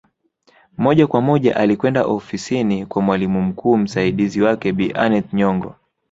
Moja kwa moja alikwenda ofisini kwa mwalimu mkuu msaidizi wake Bi Aneth Nyongo